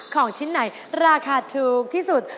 ของชิ้นไหนราคาถูกที่สุด